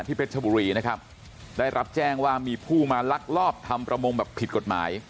เพชรชบุรีนะครับได้รับแจ้งว่ามีผู้มาลักลอบทำประมงแบบผิดกฎหมาย